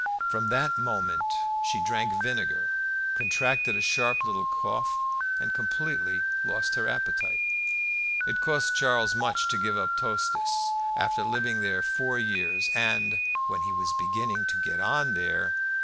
From that moment she drank vinegar, contracted a sharp little cough, and completely lost her appetite. It cost Charles much to give up Tostes after living there four years and "when he was beginning to get on there."